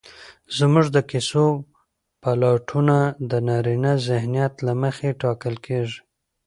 زموږ د کيسو پلاټونه د نارينه ذهنيت له مخې ټاکل کېږي